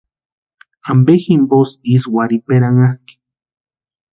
¿Ampe jimposï ísï warhiperanhakʼi?